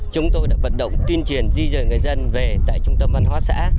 chúng tôi đã vận động tuyên truyền di rời người dân về tại trung tâm văn hóa xã